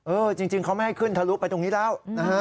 จริงเขาไม่ให้ขึ้นทะลุไปตรงนี้แล้วนะฮะ